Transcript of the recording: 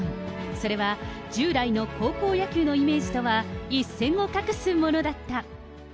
それは、従来の高校野球のイメージとは一線を画すものだった。